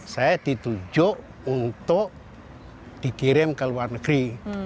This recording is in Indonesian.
saya ditunjuk untuk dikirim ke luar negeri